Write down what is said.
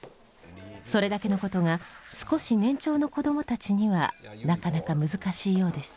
それだけのことが少し年長の子どもたちにはなかなか難しいようです。